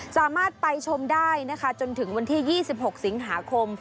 สามารถไปชมได้นะคะจนถึงวันที่๒๖สิงหาคม